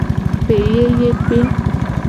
Peyeyekpe.